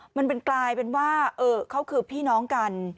มันเป็นกลายเป็นว่าเขาคือพี่น้องกัน